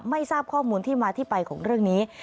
ไม่ทราบข้อมูลที่มาที่ไปของเรื่องนี้